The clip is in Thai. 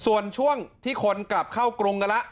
ส่วนช่วงที่คนกลับเข้ากรุงกันแล้ว